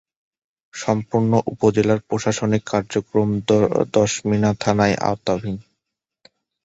সম্পূর্ণ উপজেলার প্রশাসনিক কার্যক্রম দশমিনা থানার আওতাধীন।